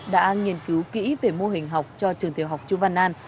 đã nghiên cứu kỹ về mô hình học cho trường tiểu học chu văn an